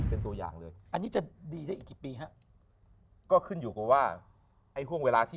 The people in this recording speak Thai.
เป็นตัวอย่างเลยอันนี้จะดีได้อีกกี่ปีฮะก็ขึ้นอยู่กับว่าไอ้ห่วงเวลาที่